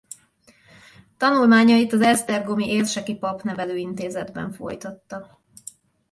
Tanulmányait az Esztergomi Érseki Papnevelő Intézetben folytatta.